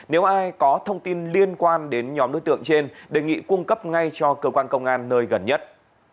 nếu ai có thông tin liên quan đến nhóm đối tượng trên đề nghị cung cấp ngay cho cơ quan công an nơi gần nhất